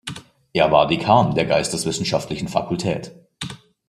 Er war Dekan der geisteswissenschaftlichen Fakultät.